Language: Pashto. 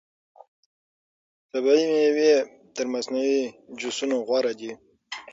طبیعي مېوې تر مصنوعي جوسونو غوره دي.